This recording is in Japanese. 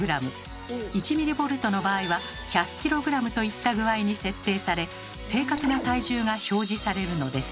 １ｍＶの場合は１００ｋｇといった具合に設定され正確な体重が表示されるのです。